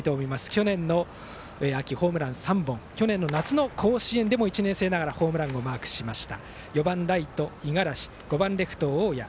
去年秋、ホームラン３本去年夏の甲子園でも１年生ながらホームランをマークしました。